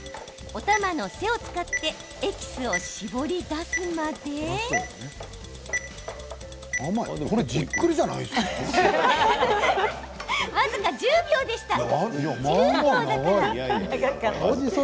おたまの背を使ってエキスを絞り出すまで僅か１０秒でした。